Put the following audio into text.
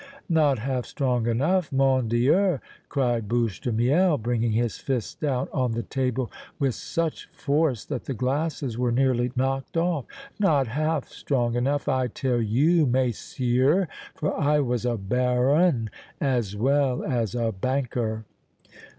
"Not half strong enough, mon Dieu!" cried Bouche de Miel, bringing his fist down on the table with such force that the glasses were nearly knocked off. "Not half strong enough, I tell you, messieurs, for I was a Baron as well as a banker!"